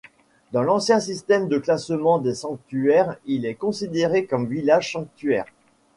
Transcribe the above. Dans l'ancien système de classement des sanctuaires il est considéré comme village-sanctuaire.